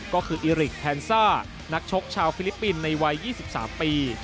ก็คืออิริกแทนซ่านักชกชาวฟิลิปปินส์ในวัย๒๓ปี